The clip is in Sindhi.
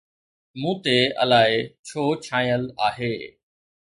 مون تي الائي ڇو ڇانيل آهي؟